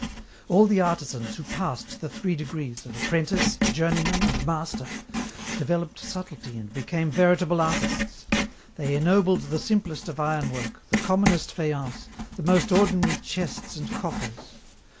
"All the artisans who passed the three degrees of apprentice, journeyman, and master, developed subtlety and became veritable artists. They ennobled the simplest of iron work, the commonest faience, the most ordinary chests and coffers.